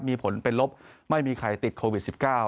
มีผลเป็นลบไม่มีใครติดโควิด๑๙